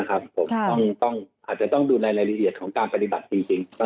อาจจะต้องดูในรายละเอียดของการปฏิบัติจริง